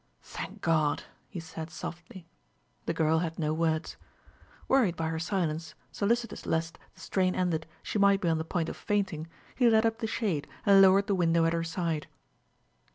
"Thank God!" he said softly. The girl had no words. Worried by her silence, solicitous lest, the strain ended, she might be on the point of fainting, he let up the shade and lowered the window at her side.